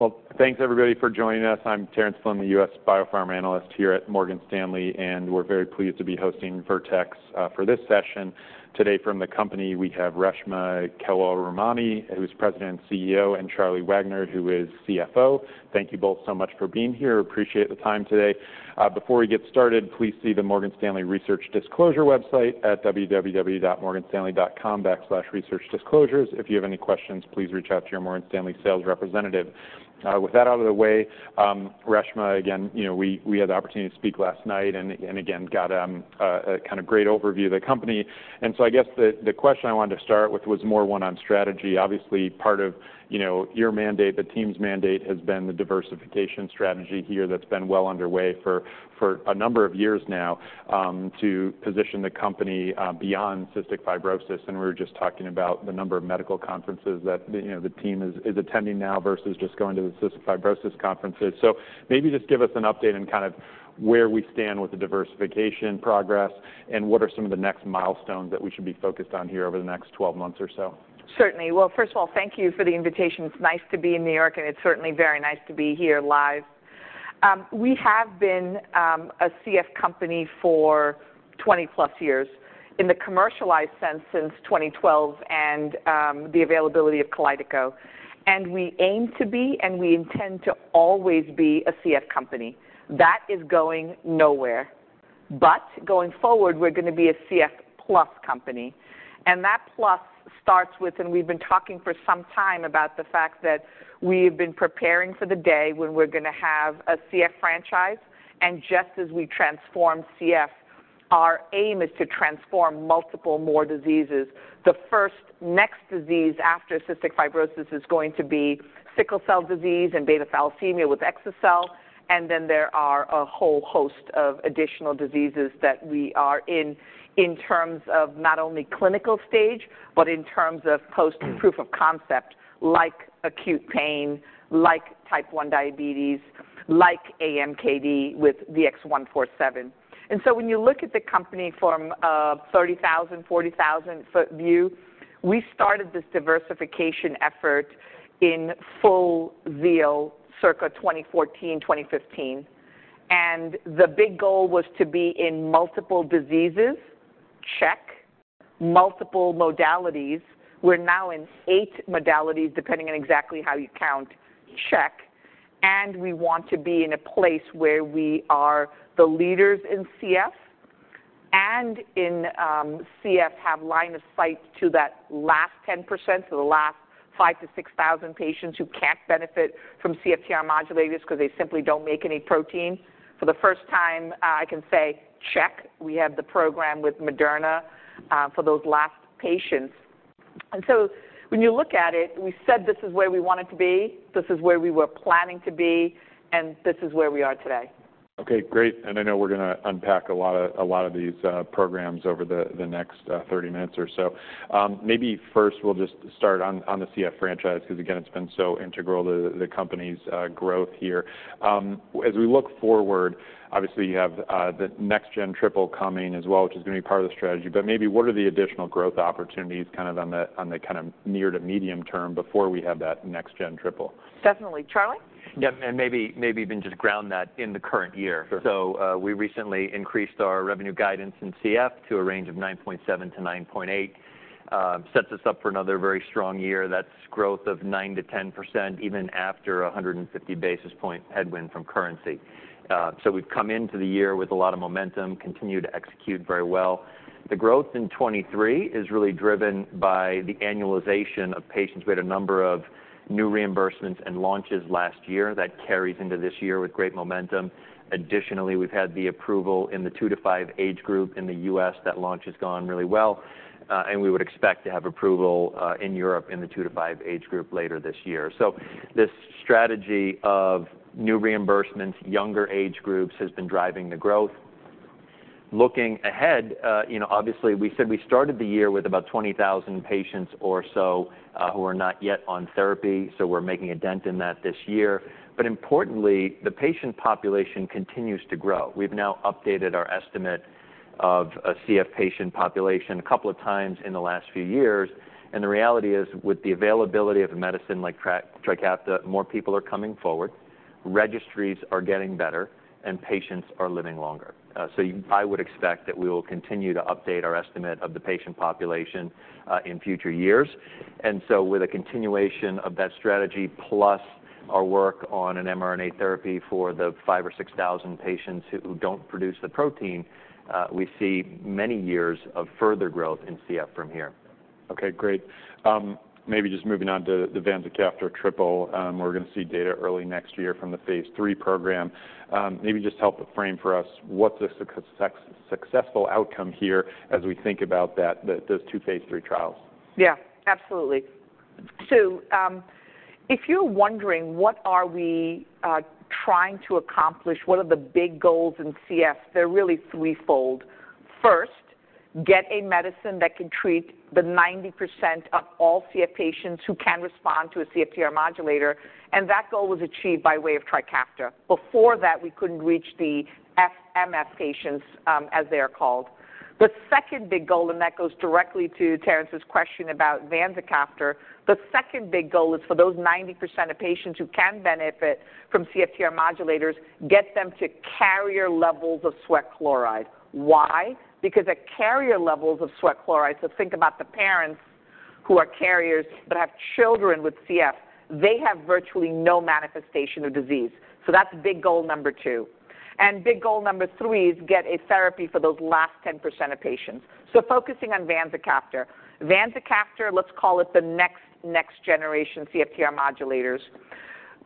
Well, thanks, everybody, for joining us. I'm Terence Flynn, the U.S. Biopharm analyst here at Morgan Stanley, and we're very pleased to be hosting Vertex for this session. Today, from the company, we have Reshma Kewalramani, who's President and CEO, and Charlie Wagner, who is CFO. Thank you both so much for being here. Appreciate the time today. Before we get started, please see the Morgan Stanley research disclosure website at www.morganstanley.com/researchdisclosures. If you have any questions, please reach out to your Morgan Stanley sales representative. With that out of the way, Reshma, again, you know, we had the opportunity to speak last night and again got a kind of great overview of the company. So I guess the question I wanted to start with was more one on strategy. Obviously, part of, you know, your mandate, the team's mandate, has been the diversification strategy here that's been well underway for, for a number of years now, to position the company beyond cystic fibrosis, and we were just talking about the number of medical conferences that, you know, the team is, is attending now versus just going to the cystic fibrosis conferences. So maybe just give us an update on kind of where we stand with the diversification progress, and what are some of the next milestones that we should be focused on here over the next 12 months or so? Certainly. Well, first of all, thank you for the invitation. It's nice to be in New York, and it's certainly very nice to be here live. We have been a CF company for 20-plus years, in the commercialized sense, since 2012, and the availability of KALYDECO, and we aim to be, and we intend to always be a CF company. That is going nowhere. But going forward, we're gonna be a CF plus company, and that plus starts with... And we've been talking for some time about the fact that we've been preparing for the day when we're gonna have a CF franchise, and just as we transform CF, our aim is to transform multiple more diseases. The first next disease after cystic fibrosis is going to be Sickle cell disease and Beta thalassemia with exa-cel, and then there are a whole host of additional diseases that we are in, in terms of not only clinical stage, but in terms of post proof of concept, like acute pain, like Type 1 diabetes, like AMKD with VX-147. And so when you look at the company from a 30,000-, 40,000-foot view, we started this diversification effort in full zeal, circa 2014, 2015, and the big goal was to be in multiple diseases, check. Multiple modalities, we're now in eight modalities, depending on exactly how you count, check. And we want to be in a place where we are the leaders in CF and in CF have line of sight to that last 10%, so the last 5,000-6,000 patients who can't benefit from CFTR modulators because they simply don't make any protein. For the first time, I can say, check, we have the program with Moderna for those last patients. And so when you look at it, we said this is where we wanted to be, this is where we were planning to be, and this is where we are today. Okay, great. And I know we're gonna unpack a lot of, a lot of these programs over the next 30 minutes or so. Maybe first we'll just start on the CF franchise, because again, it's been so integral to the company's growth here. As we look forward, obviously, you have the next gen triple coming as well, which is going to be part of the strategy, but maybe what are the additional growth opportunities kind of on the kind of near to medium term before we have that next gen triple? Definitely. Charlie? Yeah, and maybe, maybe even just ground that in the current year. Sure. We recently increased our revenue guidance in CF to a range of $9.7 billion-$9.8 billion. Sets us up for another very strong year. That's growth of 9%-10%, even after a 150 basis point headwind from currency. So we've come into the year with a lot of momentum, continue to execute very well. The growth in 2023 is really driven by the annualization of patients. We had a number of new reimbursements and launches last year. That carries into this year with great momentum. Additionally, we've had the approval in the 2-5 age group in the U.S. That launch has gone really well, and we would expect to have approval in Europe in the 2-5 age group later this year. This strategy of new reimbursements, younger age groups, has been driving the growth. Looking ahead, you know, obviously, we said we started the year with about 20,000 patients or so, who are not yet on therapy, so we're making a dent in that this year. But importantly, the patient population continues to grow. We've now updated our estimate of a CF patient population a couple of times in the last few years, and the reality is, with the availability of a medicine like TRIKAFTA, more people are coming forward, registries are getting better, and patients are living longer. So I would expect that we will continue to update our estimate of the patient population, in future years. And so with a continuation of that strategy, plus our work on an mRNA therapy for the 5,000 or 6,000 patients who don't produce the protein, we see many years of further growth in CF from here. Okay, great. Maybe just moving on to the vanzacaftor triple. We're gonna see data early next year from the phase 3 program. Maybe just help to frame for us what's a successful outcome here as we think about that, the, those two phase 3 trials? Yeah, absolutely. So, if you're wondering, what are we trying to accomplish? What are the big goals in CF? They're really threefold. First, get a medicine that can treat the 90% of all CF patients who can respond to a CFTR modulator, and that goal was achieved by way of TRIKAFTA. Before that, we couldn't reach the F/MF patients, as they are called. The second big goal, and that goes directly to Terence's question about vanzacaftor. The second big goal is for those 90% of patients who can benefit from CFTR modulators, get them to carrier levels of sweat chloride. Why? Because at carrier levels of sweat chloride, so think about the parents who are carriers but have children with CF, they have virtually no manifestation of disease. So that's big goal number two. Big goal number 3 is get a therapy for those last 10% of patients. Focusing on vanzacaftor. Vanzacaftor, let's call it the next, next generation CFTR modulators.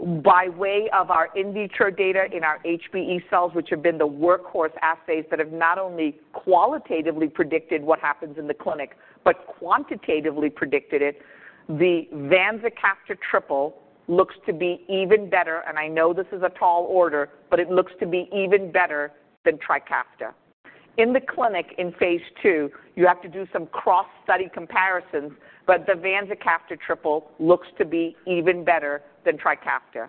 By way of our in vitro data in our HBE cells, which have been the workhorse assays that have not only qualitatively predicted what happens in the clinic, but quantitatively predicted it, the vanzacaftor triple looks to be even better, and I know this is a tall order, but it looks to be even better than TRIKAFTA. In the clinic, in phase 2, you have to do some cross-study comparisons, but the vanzacaftor triple looks to be even better than TRIKAFTA.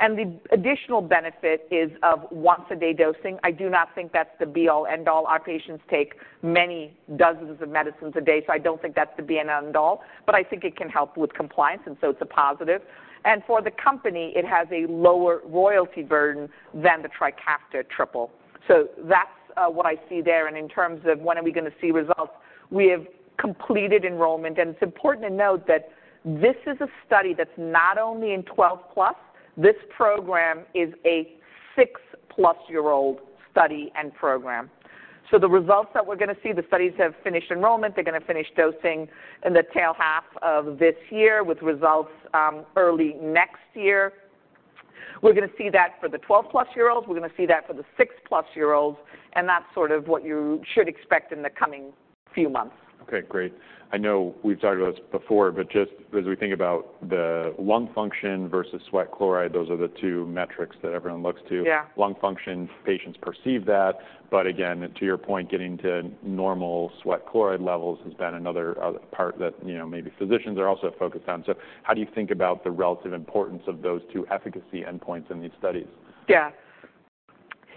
The additional benefit is of once-a-day dosing. I do not think that's the be-all, end-all. Our patients take many dozens of medicines a day, so I don't think that's the be-all, end-all, but I think it can help with compliance, and so it's a positive. And for the company, it has a lower royalty burden than the TRIKAFTA triple. So that's what I see there. And in terms of when are we gonna see results, we have completed enrollment, and it's important to note that this is a study that's not only in 12+, this program is a 6+-year-old study and program. So the results that we're gonna see, the studies have finished enrollment. They're gonna finish dosing in the tail half of this year, with results early next year. We're gonna see that for the 12+-year-olds, we're gonna see that for the 6+-year-olds, and that's sort of what you should expect in the coming few months. Okay, great. I know we've talked about this before, but just as we think about the lung function versus sweat chloride, those are the two metrics that everyone looks to. Lung function, patients perceive that, but again, to your point, getting to normal sweat chloride levels has been another part that, you know, maybe physicians are also focused on. So how do you think about the relative importance of those two efficacy endpoints in these studies? Yeah.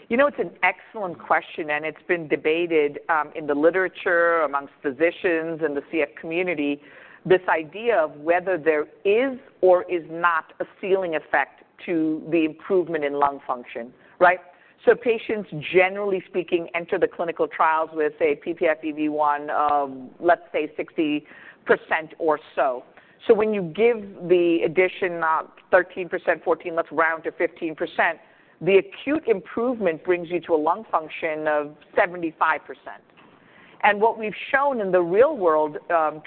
You know, it's an excellent question, and it's been debated in the literature, amongst physicians and the CF community, this idea of whether there is or is not a ceiling effect to the improvement in lung function, right? So patients, generally speaking, enter the clinical trials with, say, ppFEV1 of, let's say, 60% or so. So when you give the addition 13%, 14, let's round to 15%, the acute improvement brings you to a lung function of 75%. And what we've shown in the real world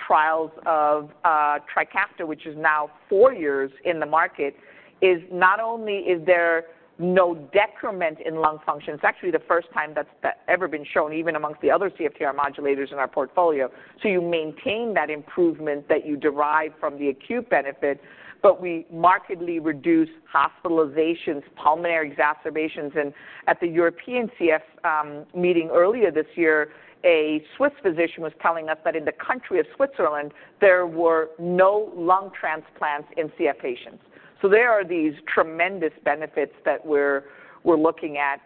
trials of TRIKAFTA, which is now 4 years in the market, is not only is there no decrement in lung function, it's actually the first time that's ever been shown, even amongst the other CFTR modulators in our portfolio. So you maintain that improvement that you derive from the acute benefit, but we markedly reduce hospitalizations, pulmonary exacerbations. And at the European CF meeting earlier this year, a Swiss physician was telling us that in the country of Switzerland, there were no lung transplants in CF patients. So there are these tremendous benefits that we're looking at.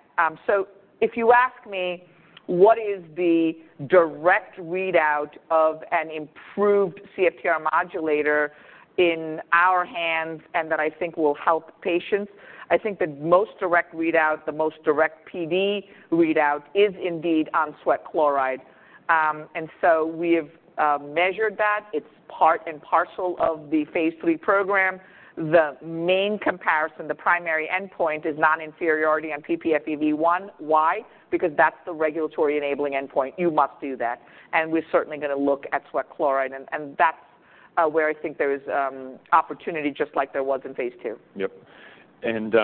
So if you ask me, what is the direct readout of an improved CFTR modulator in our hands and that I think will help patients? I think the most direct readout, the most direct PD readout, is indeed on sweat chloride. And so we have measured that. It's part and parcel of the Phase III program. The main comparison, the primary endpoint, is non-inferiority on ppFEV1. Why? Because that's the regulatory-enabling endpoint. You must do that, and we're certainly gonna look at sweat chloride, and that's where I think there is opportunity, just like there was in phase II. Yep. And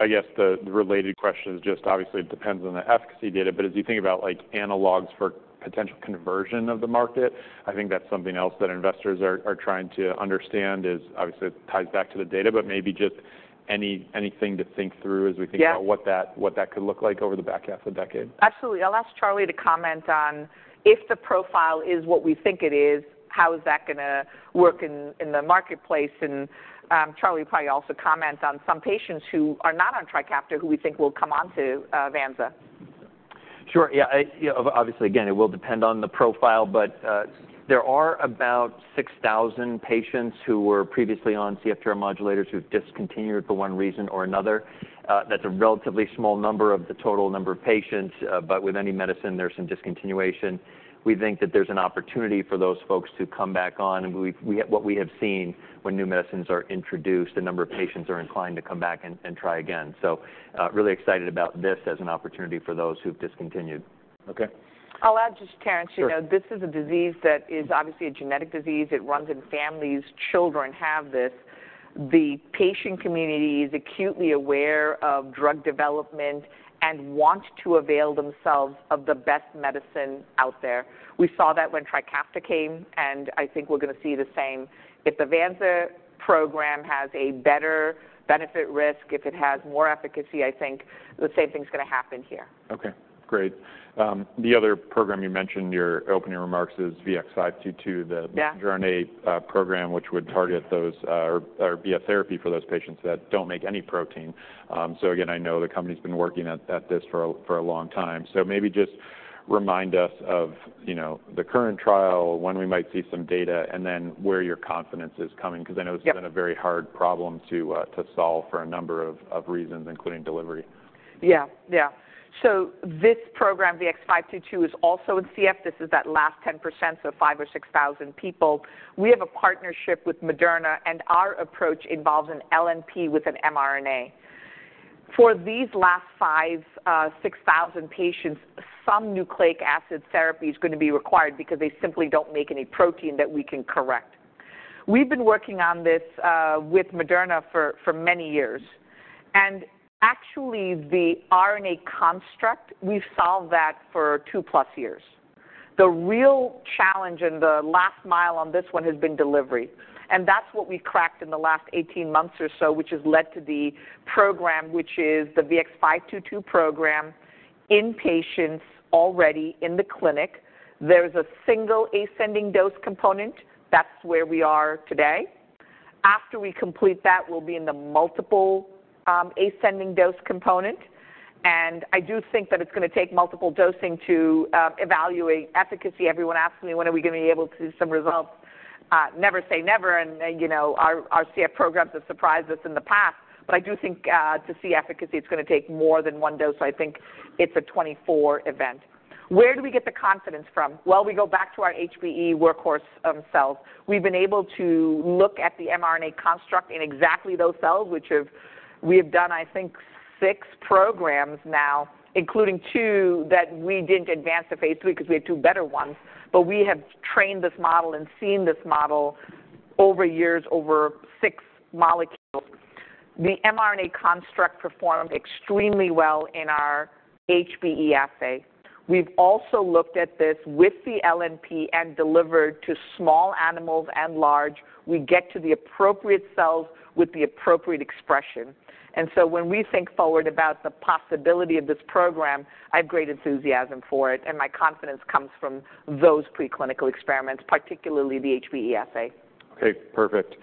I guess the related question is just obviously it depends on the efficacy data, but as you think about, like, analogs for potential conversion of the market, I think that's something else that investors are trying to understand is obviously it ties back to the data, but maybe just anything to think through as we think about what that could look like over the back half of the decade. Absolutely. I'll ask Charlie to comment on if the profile is what we think it is, how is that gonna work in the marketplace? And, Charlie will probably also comment on some patients who are not on TRIKAFTA, who we think will come on to Vanza. Sure. Yeah, obviously, again, it will depend on the profile, but there are about 6,000 patients who were previously on CFTR modulators who've discontinued for one reason or another. That's a relatively small number of the total number of patients, but with any medicine, there's some discontinuation. We think that there's an opportunity for those folks to come back on, and what we have seen when new medicines are introduced, a number of patients are inclined to come back and try again. So, really excited about this as an opportunity for those who've discontinued. Okay. I'll add just, Terence- Sure. You know, this is a disease that is obviously a genetic disease. It runs in families. Children have this. The patient community is acutely aware of drug development and want to avail themselves of the best medicine out there. We saw that when TRIKAFTA came, and I think we're going to see the same. If the Vanza program has a better benefit risk, if it has more efficacy, I think the same thing's going to happen here. Okay, great. The other program you mentioned, your opening remarks is VX-522, the- mRNA program, which would target those or be a therapy for those patients that don't make any protein. So again, I know the company's been working at this for a long time. So maybe just remind us of, you know, the current trial, when we might see some data, and then where your confidence is coming, 'cause I know- It's been a very hard problem to, to solve for a number of, of reasons, including delivery. Yeah. Yeah. So this program, VX-522, is also in CF. This is that last 10%, so 5 or 6 thousand people. We have a partnership with Moderna, and our approach involves an LNP with an mRNA. For these last 5, 6 thousand patients, some nucleic acid therapy is going to be required because they simply don't make any protein that we can correct. We've been working on this, with Moderna for many years, and actually, the RNA construct, we've solved that for 2+ years. The real challenge and the last mile on this one has been delivery, and that's what we've cracked in the last 18 months or so, which has led to the program, which is the VX-522 program, in patients already in the clinic. There's a single ascending dose component. That's where we are today. After we complete that, we'll be in the multiple, ascending dose component, and I do think that it's going to take multiple dosing to evaluate efficacy. Everyone asks me, when are we going to be able to see some results? Never say never, and, you know, our CF programs have surprised us in the past, but I do think to see efficacy, it's going to take more than one dose. So I think it's a 24 event. Where do we get the confidence from? Well, we go back to our HBE workhorse cells. We've been able to look at the mRNA construct in exactly those cells, which have... We have done, I think, six programs now, including two that we didn't advance to phase 3 because we had two better ones. But we have trained this model and seen this model over years, over 6 molecules. The mRNA construct performed extremely well in our HBE assay. We've also looked at this with the LNP and delivered to small animals and large. We get to the appropriate cells with the appropriate expression. And so when we think forward about the possibility of this program, I have great enthusiasm for it, and my confidence comes from those preclinical experiments, particularly the HBE assay. Okay, perfect.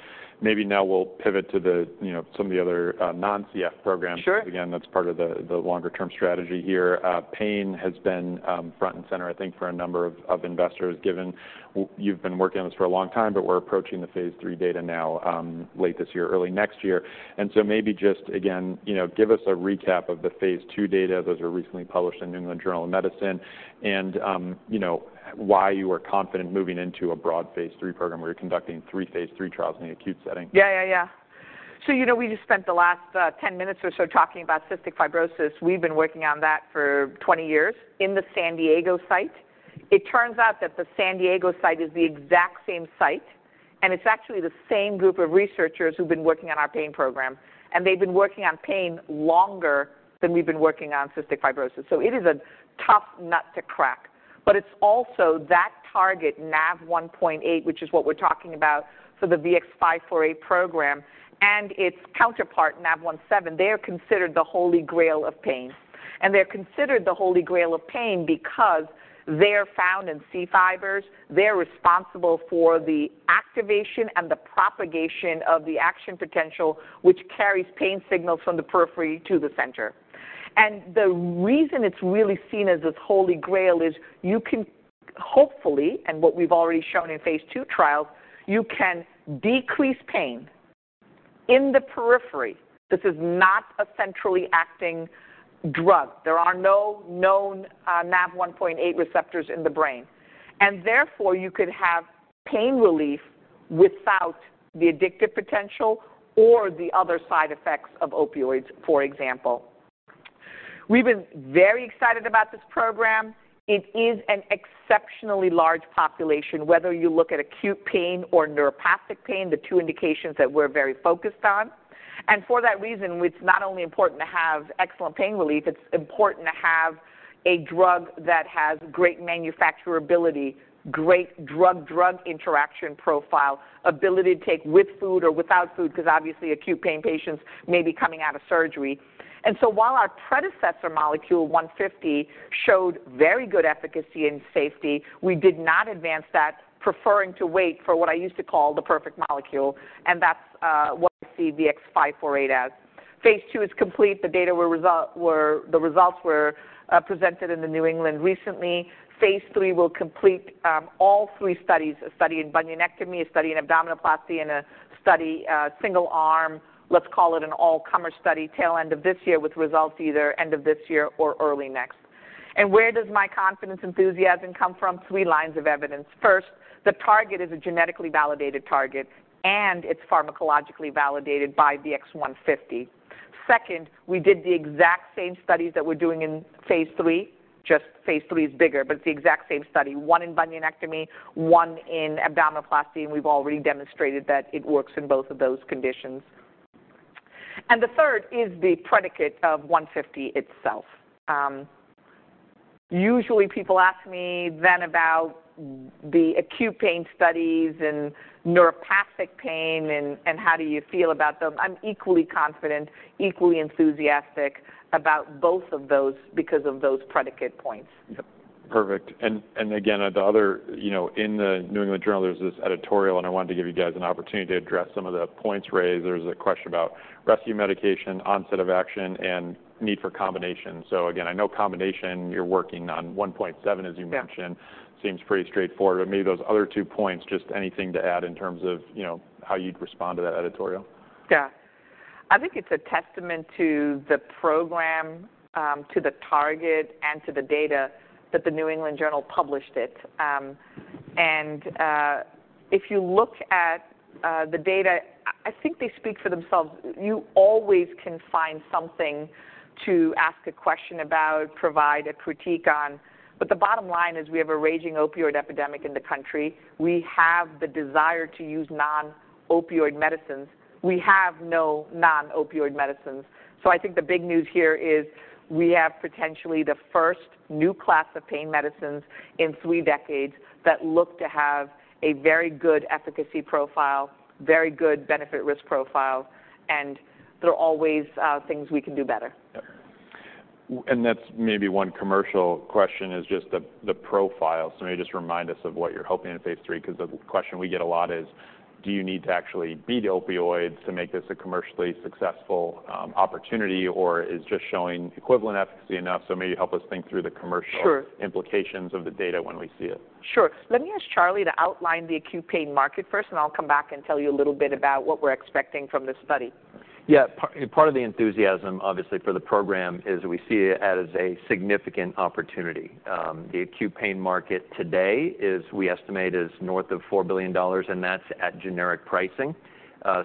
Maybe now we'll pivot to the, you know, some of the other non-CF programs. Sure. Again, that's part of the longer-term strategy here. Pain has been front and center, I think, for a number of investors, given you've been working on this for a long time, but we're approaching the phase III data now, late this year, early next year. So maybe just again, you know, give us a recap of the phase II data. Those were recently published in the New England Journal of Medicine, and you know, why you are confident moving into a broad phase III program. We're conducting three phase III trials in the acute setting. Yeah, yeah, yeah. So, you know, we just spent the last 10 minutes or so talking about cystic fibrosis. We've been working on that for 20 years in the San Diego site. It turns out that the San Diego site is the exact same site, and it's actually the same group of researchers who've been working on our pain program, and they've been working on pain longer than we've been working on cystic fibrosis. So it is a tough nut to crack. But it's also that target, NaV1.8, which is what we're talking about for the VX-548 program, and its counterpart, NaV1.7. They are considered the holy grail of pain, and they're considered the holy grail of pain because they're found in C fibers. They're responsible for the activation and the propagation of the action potential, which carries pain signals from the periphery to the center. The reason it's really seen as this holy grail is you can hopefully, and what we've already shown in phase II trials, you can decrease pain in the periphery. This is not a centrally acting drug. There are no known NaV1.8 receptors in the brain, and therefore, you could have pain relief without the addictive potential or the other side effects of opioids, for example. We've been very excited about this program. It is an exceptionally large population, whether you look at acute pain or neuropathic pain, the two indications that we're very focused on. And for that reason, it's not only important to have excellent pain relief, it's important to have a drug that has great manufacturability, great drug-drug interaction profile, ability to take with food or without food, because obviously, acute pain patients may be coming out of surgery. While our predecessor, Molecule 150, showed very good efficacy and safety, we did not advance that, preferring to wait for what I used to call the perfect molecule, and that's what I see VX-548 as. Phase II is complete. The results were presented in the New England recently. Phase III will complete all three studies, a study in bunionectomy, a study in abdominoplasty, and a study, a single arm, let's call it an all-comer study, tail end of this year, with results either end of this year or early next. And where does my confidence, enthusiasm come from? Three lines of evidence. First, the target is a genetically validated target, and it's pharmacologically validated by VX-150.... Second, we did the exact same studies that we're doing in Phase 3, just Phase 3 is bigger, but it's the exact same study, one in bunionectomy, one in abdominoplasty, and we've already demonstrated that it works in both of those conditions. And the third is the predicate of 150 itself. Usually people ask me then about the acute pain studies and neuropathic pain and, and how do you feel about them? I'm equally confident, equally enthusiastic about both of those because of those predicate points. Yep. Perfect. And again, the other, you know, in the New England Journal, there's this editorial, and I wanted to give you guys an opportunity to address some of the points raised. There's a question about rescue medication, onset of action, and need for combination. So again, I know combination, you're working on 1.7, as yo mentioned. Seems pretty straightforward, but maybe those other two points, just anything to add in terms of, you know, how you'd respond to that editorial? Yeah. I think it's a testament to the program, to the target and to the data that the New England Journal published it. If you look at the data, I think they speak for themselves. You always can find something to ask a question about, provide a critique on, but the bottom line is we have a raging opioid epidemic in the country. We have the desire to use non-opioid medicines. We have no non-opioid medicines. So I think the big news here is we have potentially the first new class of pain medicines in three decades that look to have a very good efficacy profile, very good benefit risk profile, and there are always things we can do better. Yep. And that's maybe one commercial question is just the profile. So maybe just remind us of what you're hoping in phase 3, 'cause the question we get a lot is: Do you need to actually beat opioids to make this a commercially successful opportunity, or is just showing equivalent efficacy enough? So maybe help us think through the commercial implications of the data when we see it. Sure. Let me ask Charlie to outline the acute pain market first, and I'll come back and tell you a little bit about what we're expecting from this study. Yeah, part of the enthusiasm, obviously, for the program is we see it as a significant opportunity. The acute pain market today is, we estimate, north of $4 billion, and that's at generic pricing.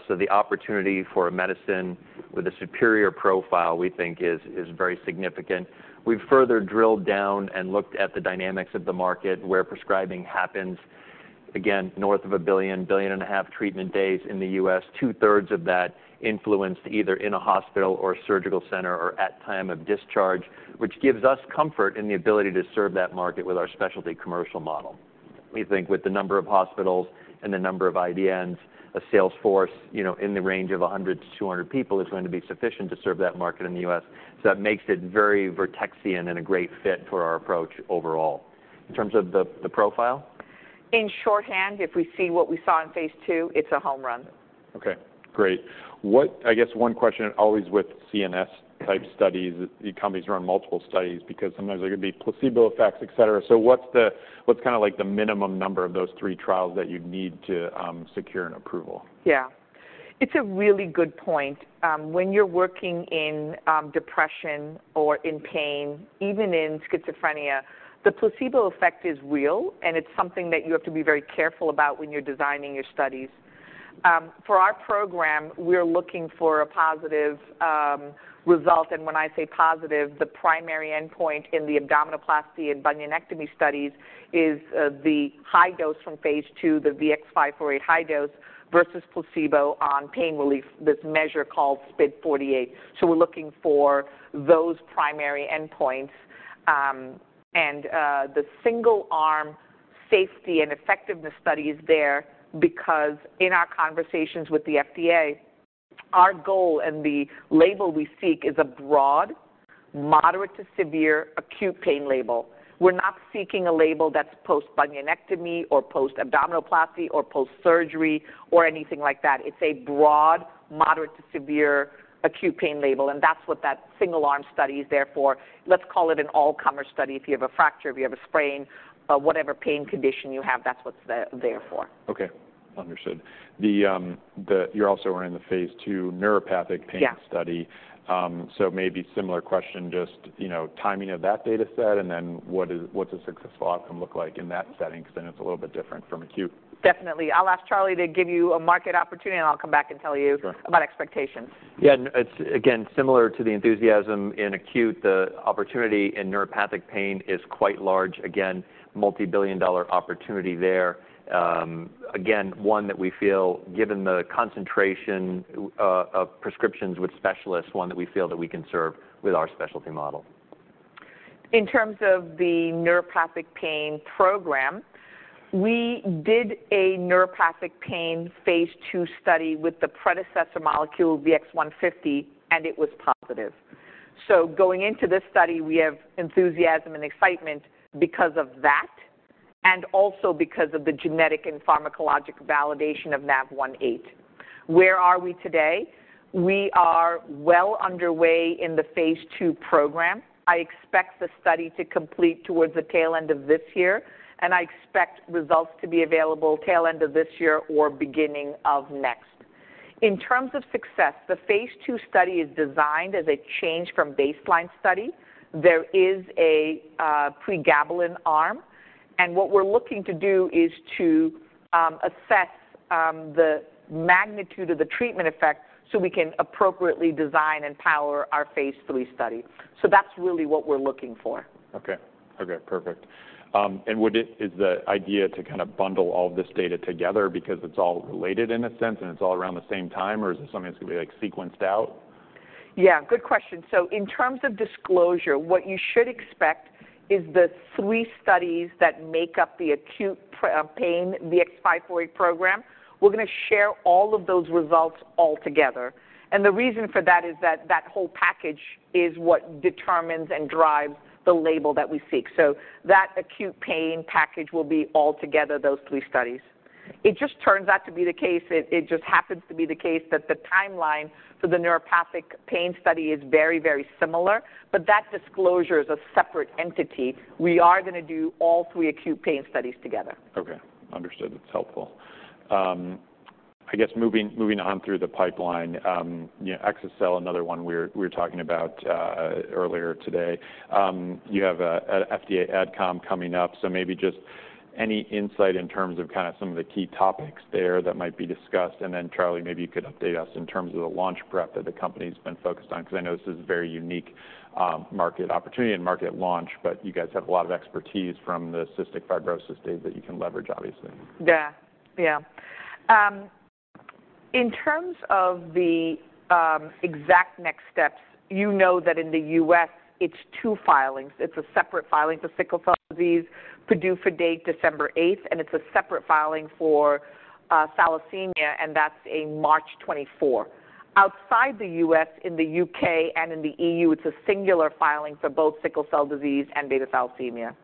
So the opportunity for a medicine with a superior profile, we think, is very significant. We've further drilled down and looked at the dynamics of the market, where prescribing happens, again, north of 1 billion, 1.5 billion treatment days in the U.S., two-thirds of that influenced either in a hospital or surgical center or at time of discharge, which gives us comfort in the ability to serve that market with our specialty commercial model. We think with the number of hospitals and the number of IDNs, a sales force, you know, in the range of 100-200 people is going to be sufficient to serve that market in the U.S. So that makes it very Vertexian and a great fit for our approach overall. In terms of the profile? In short hand, if we see what we saw in phase 2, it's a home run. Okay, great. What... I guess one question always with CNS-type studies, the companies run multiple studies because sometimes there could be placebo effects, et cetera. So what's the- what's kinda like the minimum number of those three trials that you'd need to secure an approval? Yeah. It's a really good point. When you're working in depression or in pain, even in schizophrenia, the placebo effect is real, and it's something that you have to be very careful about when you're designing your studies. For our program, we're looking for a positive result, and when I say positive, the primary endpoint in the abdominoplasty and bunionectomy studies is the high dose from phase 2, the VX-548 high dose, versus placebo on pain relief, this measure called SPID-48. So we're looking for those primary endpoints. And the single-arm safety and effectiveness study is there because in our conversations with the FDA, our goal and the label we seek is a broad, moderate to severe acute pain label. We're not seeking a label that's post-bunionectomy or post-abdominoplasty or post-surgery or anything like that. It's a broad, moderate to severe acute pain label, and that's what that single-arm study is there for. Let's call it an all-comer study. If you have a fracture, if you have a sprain, whatever pain condition you have, that's what's there for. Okay. Understood. You're also running the phase 2 neuropathic pain study. Maybe similar question, just, you know, timing of that data set, and then what is- what does successful outcome look like in that setting? 'Cause I know it's a little bit different from acute. Definitely. I'll ask Charlie to give you a market opportunity, and I'll come back and tell you- Sure - about expectations. Yeah, and it's again similar to the enthusiasm in acute, the opportunity in neuropathic pain is quite large. Again, multibillion-dollar opportunity there. Again, one that we feel, given the concentration of prescriptions with specialists, one that we feel that we can serve with our specialty model. In terms of the neuropathic pain program, we did a neuropathic pain phase 2 study with the predecessor molecule, VX-150, and it was positive. So going into this study, we have enthusiasm and excitement because of that and also because of the genetic and pharmacologic validation of NAV1.8. Where are we today? We are well underway in the phase 2 program. I expect the study to complete towards the tail end of this year, and I expect results to be available tail end of this year or beginning of next. In terms of success, the phase 2 study is designed as a change from baseline study. There is a pregabalin arm, and what we're looking to do is to assess the magnitude of the treatment effect, so we can appropriately design and power our phase 3 study. So that's really what we're looking for. Okay. Okay, perfect. And is the idea to kind of bundle all this data together because it's all related in a sense, and it's all around the same time, or is it something that's gonna be, like, sequenced out? Yeah, good question. So in terms of disclosure, what you should expect is the three studies that make up the acute pain, the VX-548 program. We're gonna share all of those results altogether, and the reason for that is that that whole package is what determines and drives the label that we seek. So that acute pain package will be all together, those three studies. It just turns out to be the case, it, it just happens to be the case that the timeline for the neuropathic pain study is very, very similar, but that disclosure is a separate entity. We are gonna do all three acute pain studies together. Okay, understood. It's helpful. I guess moving on through the pipeline, you know, exa-cel, another one we were talking about earlier today. You have an FDA AdCom coming up, so maybe just any insight in terms of kind of some of the key topics there that might be discussed, and then, Charlie, maybe you could update us in terms of the launch prep that the company's been focused on? 'Cause I know this is a very unique market opportunity and market launch, but you guys have a lot of expertise from the cystic fibrosis data that you can leverage, obviously. Yeah. Yeah. In terms of the exact next steps, you know that in the U.S., it's two filings. It's a separate filing for sickle cell disease, PDUFA date December 8th, and it's a separate filing for thalassemia, and that's a March 24. Outside the U.S., in the U.K. and in the EU, it's a singular filing for both sickle cell disease and beta thalassemia.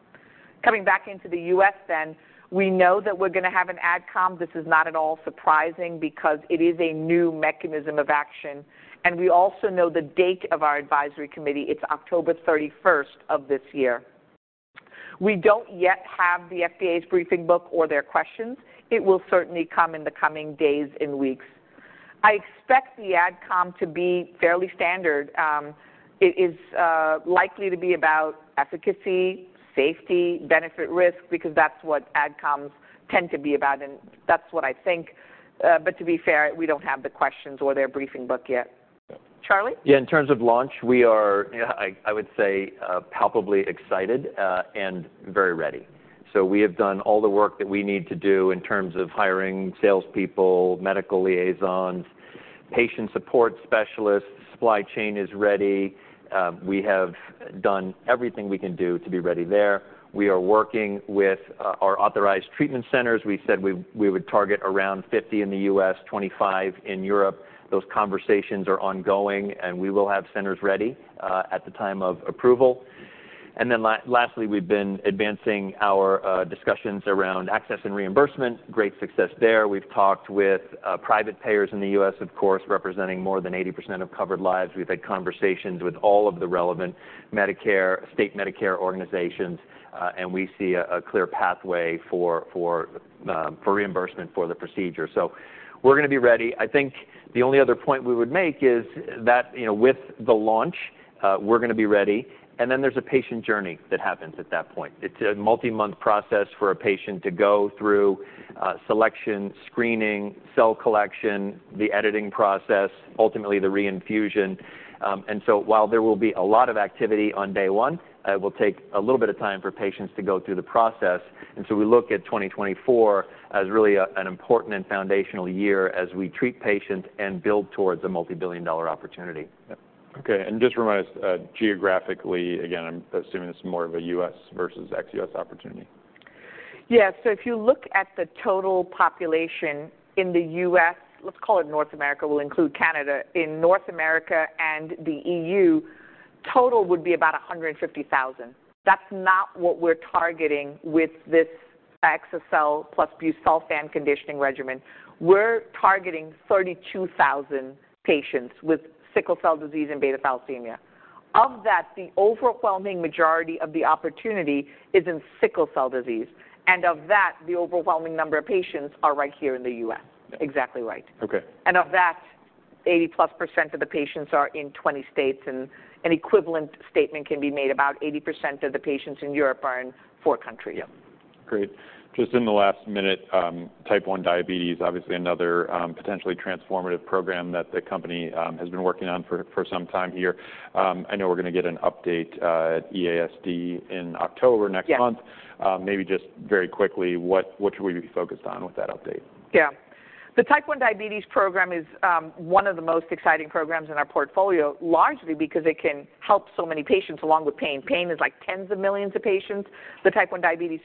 Coming back into the U.S. then, we know that we're gonna have an AdCom. This is not at all surprising because it is a new mechanism of action, and we also know the date of our advisory committee. It's October 31st of this year. We don't yet have the FDA's briefing book or their questions. It will certainly come in the coming days and weeks. I expect the AdCom to be fairly standard. It is likely to be about efficacy, safety, benefit, risk, because that's what AdComs tend to be about, and that's what I think. But to be fair, we don't have the questions or their briefing book yet. Charlie? Yeah, in terms of launch, we are, you know, I would say, palpably excited, and very ready. So we have done all the work that we need to do in terms of hiring salespeople, medical liaisons, patient support specialists. Supply chain is ready. We have done everything we can do to be ready there. We are working with our authorized treatment centers. We said we would target around 50 in the U.S., 25 in Europe. Those conversations are ongoing, and we will have centers ready at the time of approval. And then lastly, we've been advancing our discussions around access and reimbursement. Great success there. We've talked with private payers in the U.S., of course, representing more than 80% of covered lives. We've had conversations with all of the relevant Medicare, state Medicare organizations, and we see a clear pathway for reimbursement for the procedure. So we're gonna be ready. I think the only other point we would make is that, you know, with the launch, we're gonna be ready, and then there's a patient journey that happens at that point. It's a multi-month process for a patient to go through selection, screening, cell collection, the editing process, ultimately the reinfusion. And so while there will be a lot of activity on day one, it will take a little bit of time for patients to go through the process. And so we look at 2024 as really an important and foundational year as we treat patients and build towards a multi-billion-dollar opportunity. Yep. Okay, and just remind us, geographically, again, I'm assuming this is more of a U.S. versus ex-U.S. opportunity. Yes. So if you look at the total population in the U.S., let's call it North America, we'll include Canada. In North America and the E.U., total would be about 150,000. That's not what we're targeting with this exa-cel plus busulfan conditioning regimen. We're targeting 32,000 patients with sickle cell disease and beta thalassemia. Of that, the overwhelming majority of the opportunity is in sickle cell disease, and of that, the overwhelming number of patients are right here in the U.S. Exactly right. Okay. Of that, 80%+ of the patients are in 20 states, and an equivalent statement can be made. About 80% of the patients in Europe are in 4 countries. Yeah. Great. Just in the last minute, Type 1 diabetes, obviously another, potentially transformative program that the company has been working on for some time here. I know we're gonna get an update at EASD in October next month. Maybe just very quickly, what should we be focused on with that update? Yeah. The Type 1 diabetes program is one of the most exciting programs in our portfolio, largely because it can help so many patients, along with pain. Pain is, like, tens of millions of patients. The Type 1 diabetes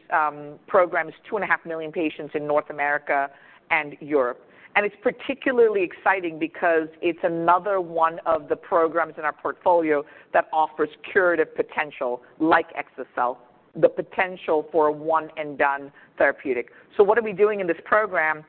program is 2.5 million patients in North America and Europe, and it's particularly exciting because it's another one of the programs in our portfolio that offers curative potential, like exa-cel, the potential for a one-and-done therapeutic. So what are we doing in this program?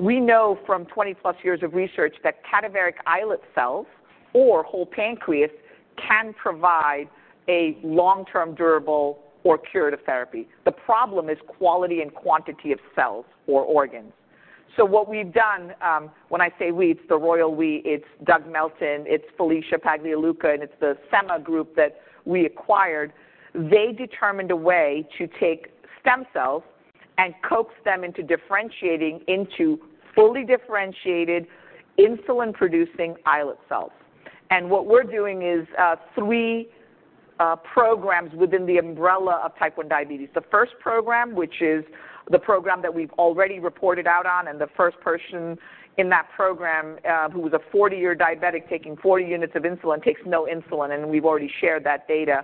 We know from 20+ years of research that cadaveric islet cells or whole pancreas can provide a long-term, durable, or curative therapy. The problem is quality and quantity of cells or organs. So what we've done... When I say we, it's the royal we. It's Doug Melton, it's Felicia Pagliuca, and it's the Semma group that we acquired. They determined a way to take stem cells and coax them into differentiating into fully differentiated insulin-producing islet cells. What we're doing is 3 programs within the umbrella of Type 1 diabetes. The first program, which is the program that we've already reported out on, and the first person in that program, who was a 40-year diabetic, taking 40 units of insulin, takes no insulin, and we've already shared that data.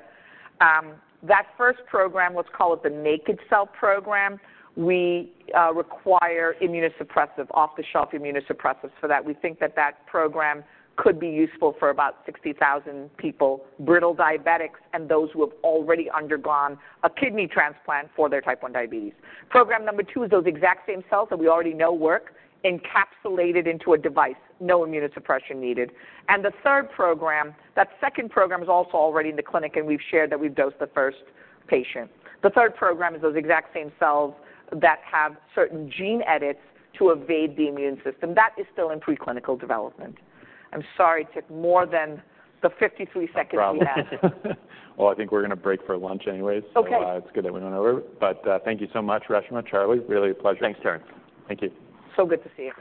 That first program, let's call it the Naked Cell program, we require immunosuppressive, off-the-shelf immunosuppressants for that. We think that that program could be useful for about 60,000 people, brittle diabetics, and those who have already undergone a kidney transplant for their Type 1 diabetes. Program number 2 is those exact same cells that we already know work, encapsulated into a device, no immunosuppression needed. That second program is also already in the clinic, and we've shared that we've dosed the first patient. The third program is those exact same cells that have certain gene edits to evade the immune system. That is still in preclinical development. I'm sorry, it took more than the 53 seconds we had. No problem. Well, I think we're gonna break for lunch anyways- Okay. So, it's good that we went over, but thank you so much, Reshma, Charlie. Really a pleasure. Thanks, Terence Thank you. So good to see you.